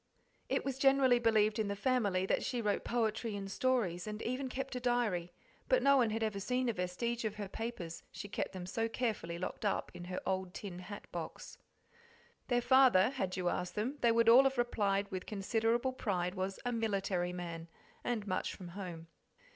It was generally believed in the family that she wrote poetry and stories, and even kept a diary, but no one had ever seen a vestige of her papers, she kept them so carefully locked up in her old tin hat box. Their father, had you asked them they would all have replied with considerable pride, was "a military man," and much from home.